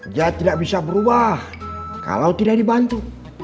dia tidak bisa berubah kalau tidak dibantu